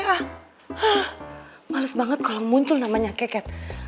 hah males banget kalo muncul namanya keket